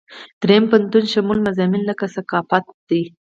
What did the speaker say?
دریم پوهنتون شموله مضامین لکه ثقافت دي.